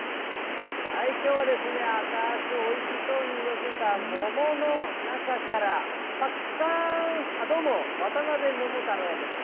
きょうはですね、赤くおいしそうに色づいた桃の中から、ぱっかーん、あっ、どうも、渡辺桃太郎です。